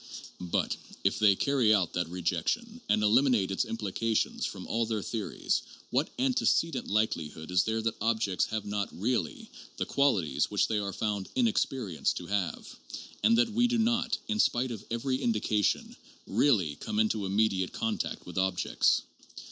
But if they carry out that rejection and eliminate its implications from all their theories, what antecedent likelihood is there that objects have not "really" the qualities which they are found in experience to have, and that we do not, in spite of every indication, "really" come into immediate contact with ob jects?